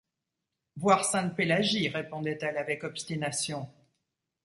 Voir Sainte-Pélagie, répondait-elle avec obstination.